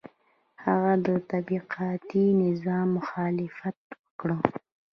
هغه د طبقاتي نظام مخالفت وکړ.